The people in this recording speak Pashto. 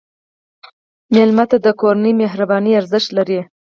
مېلمه ته د کورنۍ مهرباني ارزښت لري.